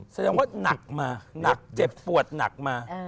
แสดงว่าหนักมาหนักเจ็บปวดหนักมา